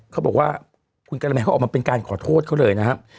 เขาบอกว่าคุณกะละแมนเขาออกมาเป็นการขอโทษเขาเลยนะครับ